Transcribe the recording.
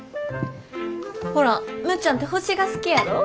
ほらむっちゃんて星が好きやろ？